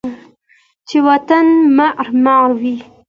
چې و طن معمار ، معمار وی